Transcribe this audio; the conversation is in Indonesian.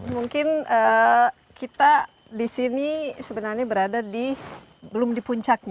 mungkin kita di sini sebenarnya berada di belum di puncaknya